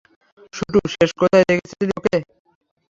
শুটু, শেষ কোথায় দেখেছিলি ওকে?